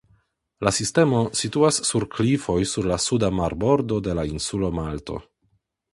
La sistemo situas sur klifoj sur la suda marbordo de la insulo Malto.